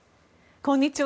こんにちは。